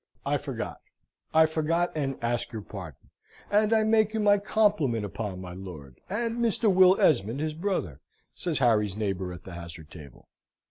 "I forgot. I forgot, and ask your pardon! And I make you my compliment upon my lord, and Mr. Will Esmond, his brother," says Harry's neighbour at the hazard table.